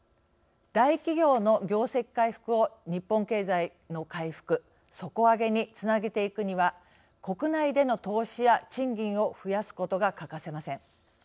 大企業の業績回復を日本経済の回復底上げにつなげていくには国内での投資や賃金を増やすことが欠かせません。